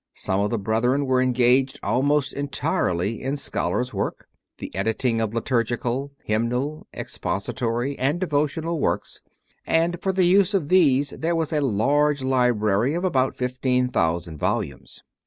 Some of the Brethren were engaged almost entirely in scholars work the editing of liturgical, hymnal, expository, and devotional works, and for the use of these there was a large library of about fifteen thousand volumes.